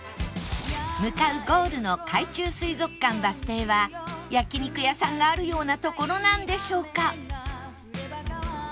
向かうゴールの海中水族館バス停は焼肉屋さんがあるような所なんでしょうか？